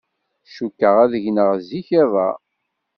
Cukkeɣ ad gneɣ zik iḍ-a.